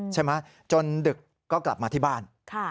จนดึกก็กลับมาที่บ้าน